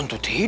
ke mana dia